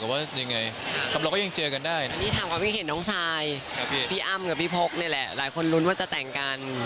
พรี่อ๊ามกับพรี่โภคนี่แหละหลายคนรุ้นว่าจะแต่งกัน